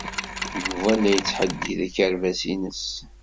Yuba la yettḥeddid akerbas-nnes.